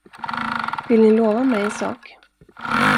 Vill ni lova mig en sak?